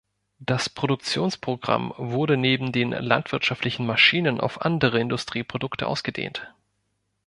Das Produktionsprogramm wurde neben den landwirtschaftlichen Maschinen auf andere Industrieprodukte ausgedehnt.